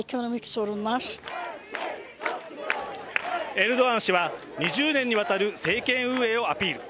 エルドアン氏は、２０年にわたる政権運営をアピール。